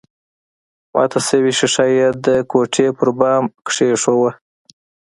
ماته شوې ښيښه يې د کوټې پر بام کېښوده